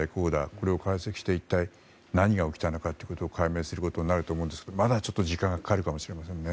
これを解析して一体、何が起きたのかを解明することになると思いますがまだ時間がかかるかもしれませんね。